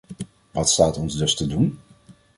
Wat staat ons dus te doen?